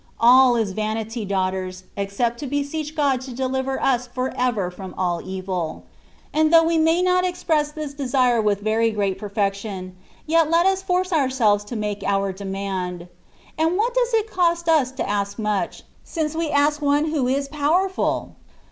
All is vanity, daughters, except to beseech God to deliver jis for ever from all evil ; and though we may not express this desire with very great perfection, yet let us force ourselves to make our demand. And what does it cost us to ask much, since we ask One who is powerful